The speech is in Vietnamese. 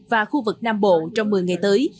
và khu vực nam bộ trong một mươi ngày tới